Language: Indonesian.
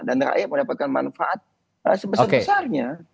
dan rakyat mendapatkan manfaat sebesar besarnya